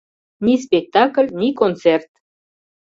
Ни спектакль, ни концерт!